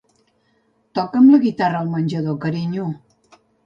Toca'm la guitarra al menjador, carinyo.